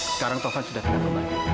sekarang tovan sudah tidak kembali